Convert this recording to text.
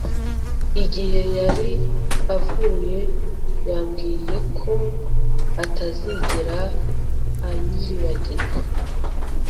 Igihe yari avuye yambwiye ko atazigera anyibagirwa